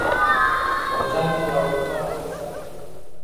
په جنګ کي زړورتیا لومړی شرط دی.